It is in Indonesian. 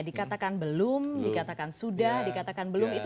dikatakan belum dikatakan sudah dikatakan belum itu